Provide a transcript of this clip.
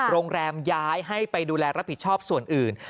ย้ายให้ไปดูแลรับผิดชอบส่วนอื่น